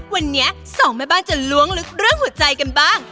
วันนี้สองแม่บ้านจะล้วงลึกเรื่องหัวใจกันบ้าง